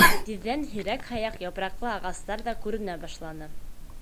Тиҙҙән һирәк-һаяҡ япраҡлы ағастар ҙа күренә башланы.